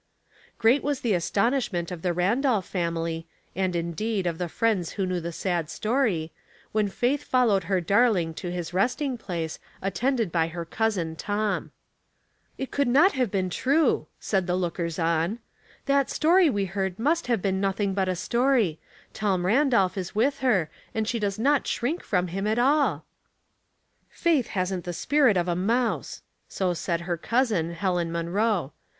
Great was the astonishment of the Randolph family, and, indeed, of the friends who knew the sad story, when Faith followed her darling to his resting place, attended by her cousin Tom. " It could not have been true," said the lookers on. That story we heard must have been nothing but a story. Tom Randolph is with her, and sjhe does not shrink from him at all." "• Faith hasn't the spirit of a mouse." So said her cousin, Helen Munroe.